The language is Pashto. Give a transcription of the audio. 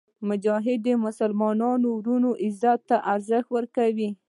مجاهد د مسلمان ورور عزت ته ارزښت ورکوي.